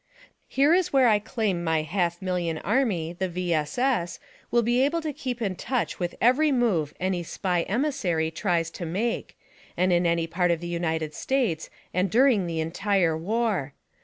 Here is where I claim my half million army — ^the V. S. S. — will be able to keep in touch with every move any Spy emissary tries tries to make, and in any part of the United States, and during the entire war.